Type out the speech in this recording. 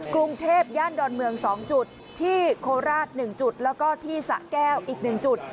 กรุงเทพย่านดอนเมือง๒จุดที่โคราช๑จุดแล้วก็ที่สะแก้วอีก๑จุด